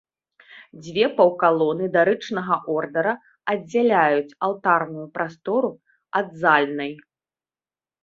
Дзве паўкалоны дарычнага ордара аддзяляюць алтарную прастору ад зальнай.